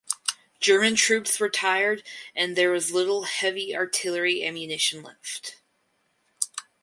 German troops were tired and there was little heavy artillery ammunition left.